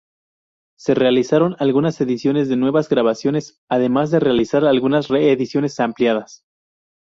Se realizaron algunas ediciones de nuevas grabaciones, además de realizar algunas re-ediciones ampliadas.